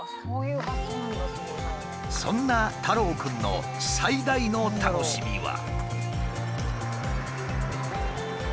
そんなたろう君の最大の楽しみは。